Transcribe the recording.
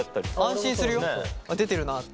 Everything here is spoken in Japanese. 安心するよ。ああ出てるなって。